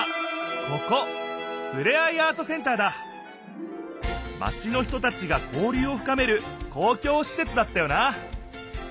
ここマチの人たちが交りゅうをふかめるこうきょうしせつだったよな。